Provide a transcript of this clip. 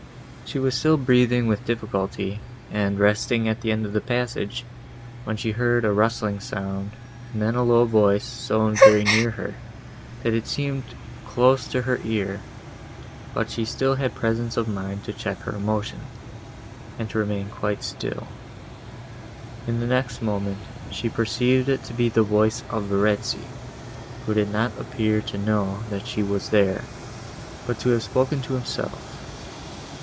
She was still breathing with difficulty, and resting at the end of the passage, when she heard a rustling sound, and then a low voice, so very near her, that it seemed close to her ear; but she had presence of mind to check her emotions, and to remain quite still; in the next moment, she perceived it to be the voice of Verezzi, who did not appear to know, that she was there, but to have spoken to himself.